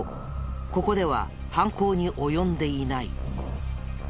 ここでは犯行に及んでいない。